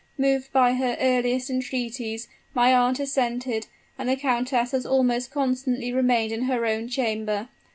Moved by her earnest entreaties, my aunt assented; and the countess has almost constantly remained in her own chamber.